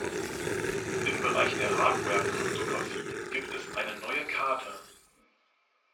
Im Bereich der Hardware-Kryptographie gibt es eine neue Karte.